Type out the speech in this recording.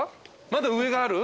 まだ上ある？